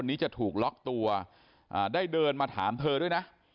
นี้จะถูกล็อกตัวอ่าได้เดินมาถามเธอด้วยนะ